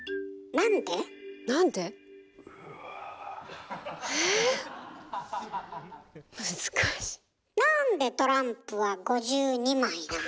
なんでトランプは５２枚なの？